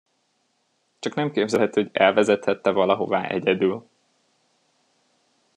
Csak nem képzeled, hogy elvezethette valahová egyedül?